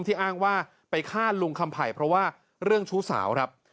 อ้างว่าไปฆ่าลุงคำไผ่เพราะว่าเรื่องชู้สาวครับ